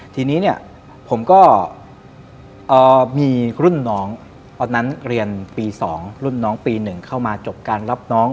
ทีนี้เนี่ยผมก็มีรุ่นน้องตอนนั้นเรียนปี๒รุ่นน้องปี๑เข้ามาจบการรับน้อง